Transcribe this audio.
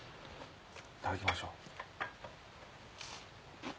いただきましょう。